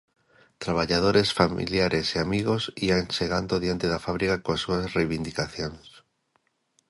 Traballadores, familiares e amigos ían chegando diante da fábrica coas súas reivindicacións.